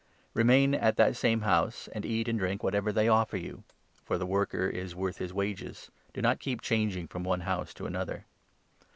Remain at that same house, and 7 eat and drink whatever they offer you ; for the worker is worth his wages. Do not keep changing from one house to another.